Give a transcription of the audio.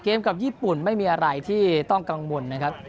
กับญี่ปุ่นไม่มีอะไรที่ต้องกังวลนะครับ